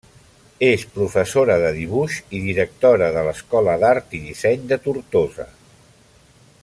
És professora de dibuix i directora de l'Escola d'Art i Disseny de Tortosa.